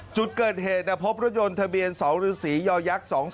จุดเกิดเหตุพบรถยนต์ทะเบียน๒ฤย๒๓๐๕